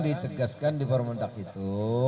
ditegaskan di formuntak itu